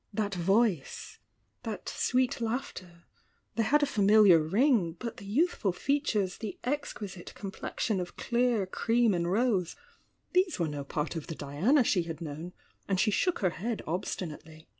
That voice— that sweet laughter— they had a familiar ring; but the youthful features, the exquisite complexion of clear cream and rose — these were no part of the Diana she had known, and she shook her head obstinately.